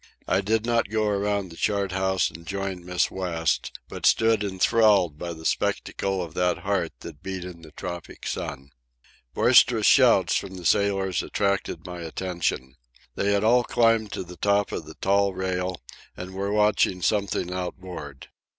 I did not go around the chart house and join Miss West, but stood enthralled by the spectacle of that heart that beat in the tropic heat. Boisterous shouts from the sailors attracted my attention. They had all climbed to the top of the tall rail and were watching something outboard.